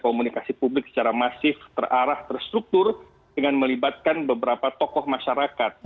komunikasi publik secara masif terarah terstruktur dengan melibatkan beberapa tokoh masyarakat